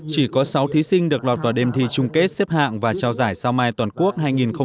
chỉ có sáu thí sinh được loạt vào đêm thi chung kết xếp hạng và trao giải sao mai toàn quốc hai nghìn một mươi chín